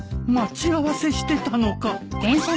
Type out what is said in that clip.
待ち合わせしてたのか